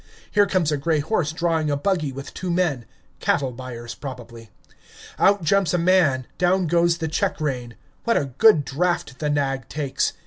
Here comes a gray horse drawing a buggy with two men, cattle buyers, probably. Out jumps a man, down goes the check rein. What a good draught the nag takes!